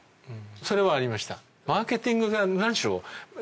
それはありました。